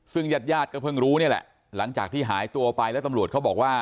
ซึ่งญาติญาติก็เพิ่งรู้นี่แหละหลังจากที่หายตัวไปแล้วตำรวจเขาบอกว่า